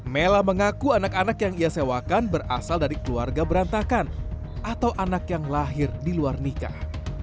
mela mengaku anak anak yang ia sewakan berasal dari keluarga berantakan atau anak yang lahir di luar nikah